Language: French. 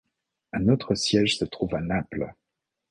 Un autre siège se trouve à Naples.